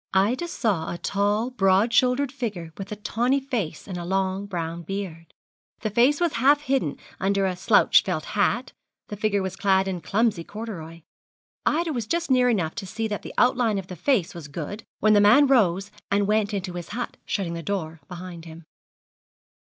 Ida saw a tall, broad shouldered figure with a tawny face and a long brown beard. The face was half hidden under a slouched felt hat, the figure was clad in clumsy corduroy. Ida was just near enough to see that the outline of the face was good, when the man rose and went into his hut, shutting the door behind him.